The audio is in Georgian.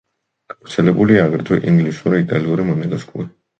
გავრცელებულია აგრეთვე: ინგლისური, იტალიური, მონეგასკური.